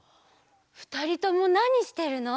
ふたりともなにしてるの？